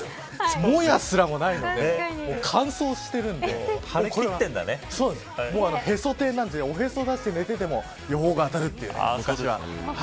もやすらもないので乾燥しているのでおへそを出して寝ていても予報が当たるという。